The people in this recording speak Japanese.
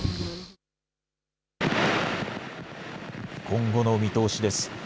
今後の見通しです。